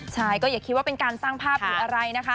ใช่ก็อย่าคิดว่าเป็นการสร้างภาพหรืออะไรนะคะ